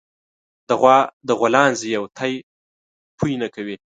د غوا د غولانځې يو تی پئ نه کوي